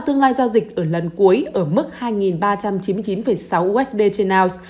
tương lai giao dịch ở lần cuối ở mức hai ba trăm chín mươi chín sáu usd trên ounce